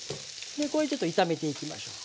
これでちょっと炒めていきましょう。